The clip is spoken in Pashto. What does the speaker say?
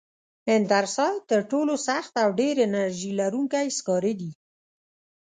انترسایت تر ټولو سخت او ډېر انرژي لرونکی سکاره دي.